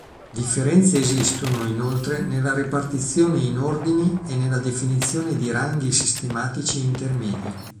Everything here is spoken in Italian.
Differenze esistono, inoltre, nella ripartizione in ordini e nella definizione di ranghi sistematici intermedi.